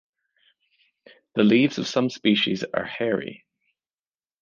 The leaves of some species are hairy.